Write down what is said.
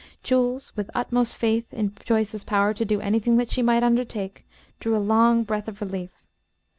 Jules, with utmost faith in Joyce's power to do anything that she might undertake, drew a long breath of relief.